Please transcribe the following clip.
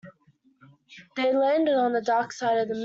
They landed on the dark side of the moon.